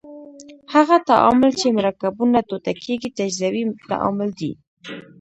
هغه تعامل چې مرکبونه ټوټه کیږي تجزیوي تعامل دی.